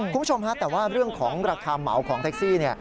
คุณผู้ชมฮะแต่ว่าเรื่องของราคาเหมาของแท็กซี่เนี่ย